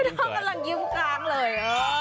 น้องกำลังยิ้มกลางเลย